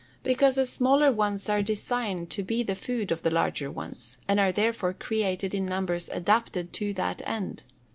_ Because the smaller ones are designed to be the food of the larger ones, and are therefore created in numbers adapted to that end.